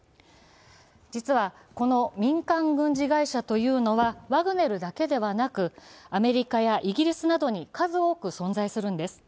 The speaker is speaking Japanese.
実は、この民間軍事会社というのはワグネルだけではなくアメリカやイギリスなどに数多く存在するんです。